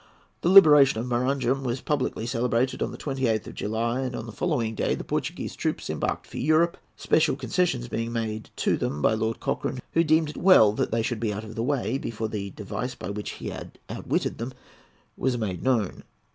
The liberation of Maranham was publicly celebrated on the 28th of July, and on the following day the Portuguese troops embarked for Europe, special concessions being made to them by Lord Cochrane, who deemed it well that they should be out of the way before the device by which he had outwitted them was made known.